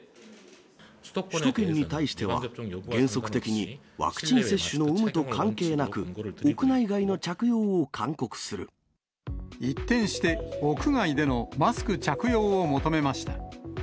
首都圏に対しては、原則的に、ワクチン接種の有無と関係なく、一転して、屋外でのマスク着用を求めました。